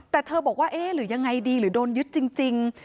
แต่เธอบอกว่าเอ๊ะหรือยังไงดีหรือโดนยึดจริง